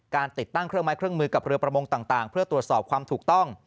ติดตั้งเครื่องไม้เครื่องมือกับเรือประมงต่างเพื่อตรวจสอบความถูกต้อง